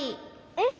えっ？